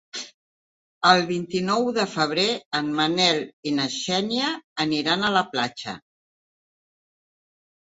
El vint-i-nou de febrer en Manel i na Xènia aniran a la platja.